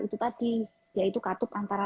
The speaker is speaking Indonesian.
itu tadi yaitu katup antara